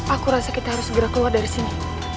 aku rasa kita harus segera keluar dari sini